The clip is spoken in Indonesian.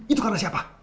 itu karena siapa